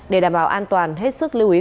để đảm bảo an toàn hết sức lưu ý